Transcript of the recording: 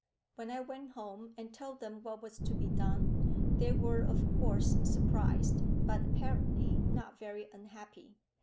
When I went home and told them what was to be done, they were of course surprised, but apparently not very unhappy.